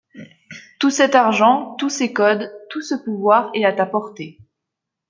Tout cet argent, tous ces codes, tout ce pouvoir est à ta portée.